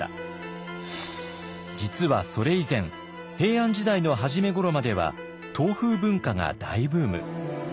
実はそれ以前平安時代の初めごろまでは唐風文化が大ブーム。